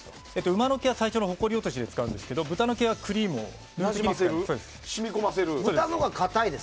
馬の毛は最初のほこり落としで使うんですが、豚の毛はクリームをなじませるものです。